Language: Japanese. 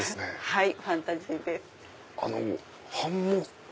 はい。